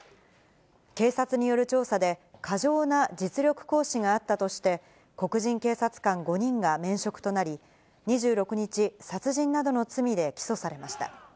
警察による調査で、過剰な実力行使があったとして、黒人警察官５人が免職となり、２６日、殺人などの罪で起訴されました。